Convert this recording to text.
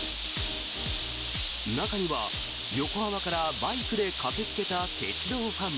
中には横浜からバイクで駆けつけた鉄道ファンも。